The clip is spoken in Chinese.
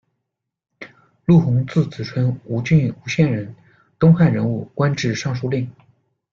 陆闳，字子春，吴郡吴县人，东汉人物，官至尚书令。